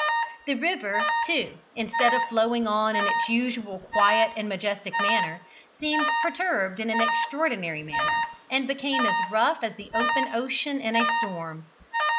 The river, too, instead of flowing on in its usual quiet and majestic manner, seemed perturbed in an extraordinary manner, and became as rough as the open ocean in a storm.